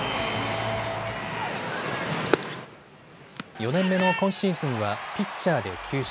４年目の今シーズンはピッチャーで９勝。